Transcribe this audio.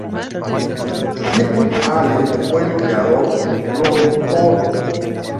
Irwin Allen fue el creador y productor.